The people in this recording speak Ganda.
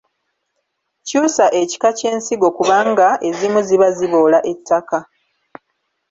Kyusa ekika ky’ensigo kubanga ezimu ziba ziboola ettaka.